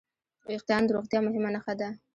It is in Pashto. وېښتيان د روغتیا مهمه نښه ده.